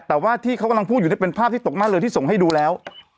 แต่ว่าที่เขากำลังพูดอยู่นี่เป็นภาพที่ตกหน้าเรือที่ส่งให้ดูแล้ว